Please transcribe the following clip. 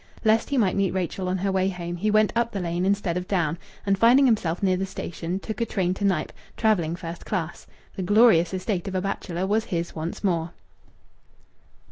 Lest he might meet Rachel on her way home he went up the lane instead of down, and, finding himself near the station, took a train to Knype travelling first class. The glorious estate of a bachelor was his once more.